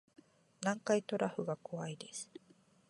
南海トラフが怖いです